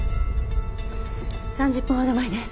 ３０分ほど前ね。